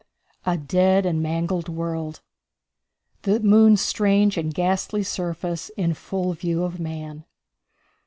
A Dead And Mangled World. The Moon's Strange and Ghastly Surface in Full View of Man.